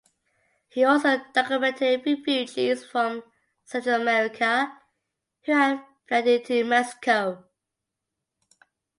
He also documented refugees from Central America who had fled into Mexico.